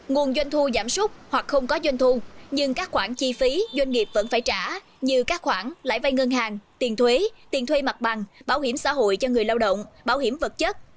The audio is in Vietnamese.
nguồn doanh thu giảm súc hoặc không có doanh thu nhưng các khoản chi phí doanh nghiệp vẫn phải trả như các khoản lãi vay ngân hàng tiền thuế tiền thuê mặt bằng bảo hiểm xã hội cho người lao động bảo hiểm vật chất